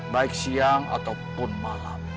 baik siang ataupun malam